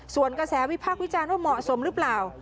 ส่วนกระแสวิพากษ์วิจารณ์ว่าเหมาะสมหรือเปล่า